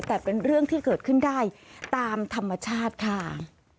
แต่เป็นเรื่องที่เกิดขึ้นได้ตามธรรมชาติค่ะ